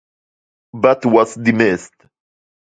But was dismissed.